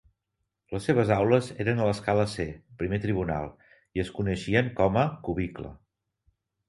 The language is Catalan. Les seves aules eren a l'escala C, Primer Tribunal, i es coneixien com a "Q-bicle".